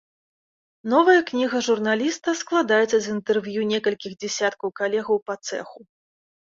Новая кніга журналіста складаецца з інтэрв'ю некалькіх дзесяткаў калегаў па цэху.